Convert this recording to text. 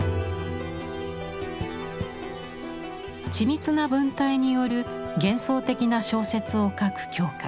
緻密な文体による幻想的な小説を書く鏡花。